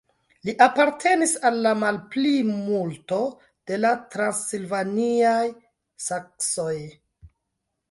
Li apartenis al la malplimulto de la transilvaniaj saksoj.